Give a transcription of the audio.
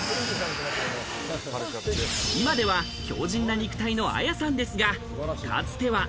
今では強靭な肉体のＡＹＡさんですが、かつては。